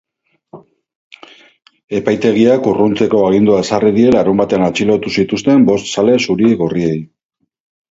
Epaitegiak urruntzeko agindua ezarri die larunbatean atxilotu zituzten bost zale zuri-gorriei.